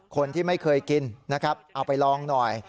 คนที่ไม่เคยกินนะครับเอาไปลองหน่อย